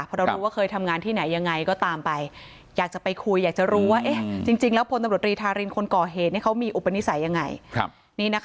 เพราะเรารู้ว่าเคยทำงานที่ไหนยังไงก็ตามไปอยากจะไปคุยอยากจะรู้ว่าจริงแล้วพลตำรวจรีธารินคนก่อเหตุเขามีอุปนิสัยยังไง